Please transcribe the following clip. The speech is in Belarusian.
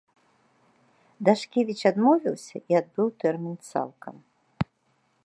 Дашкевіч адмовіўся і адбыў тэрмін цалкам.